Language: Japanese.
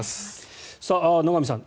野上さん